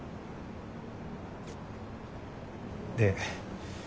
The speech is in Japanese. で？